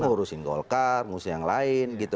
ngurusin golkar ngurusin yang lain gitu